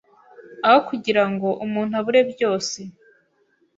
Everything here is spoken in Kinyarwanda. Aho kugirango umuntu abure byose